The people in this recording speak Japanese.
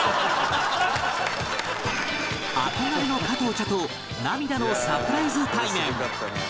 憧れの加藤茶と涙のサプライズ対面